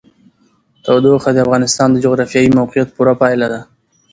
تودوخه د افغانستان د جغرافیایي موقیعت پوره پایله ده.